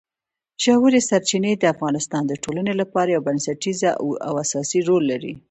ژورې سرچینې د افغانستان د ټولنې لپاره یو بنسټیز او اساسي رول لري.